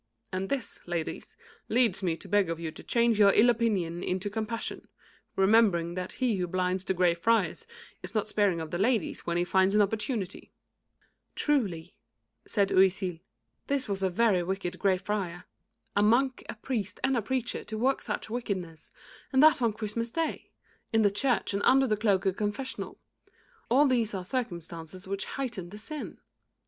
And this, ladies, leads me to beg of you to change your ill opinion into compassion, remembering that he (3) who blinds the Grey Friars is not sparing of the ladies when he finds an opportunity." 3 The demon. B. J. "Truly," said Oisille, "this was a very wicked Grey Friar. A monk, a priest and a preacher to work such wickedness, and that on Christmas day, in the church and under the cloak of the confessional all these are circumstances which heighten the sin."